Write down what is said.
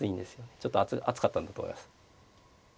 ちょっと暑かったんだと思います。